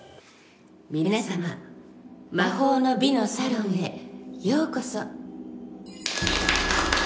皆様魔法の美のサロンへようこそ。